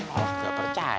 oh gak percaya